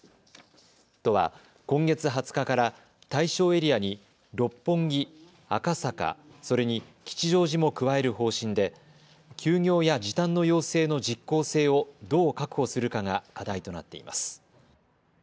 都は今月２０日から対象エリアに六本木、赤坂、それに吉祥寺も加える方針で休業や時短の要請の実効性をどう確保するかが課題となっています。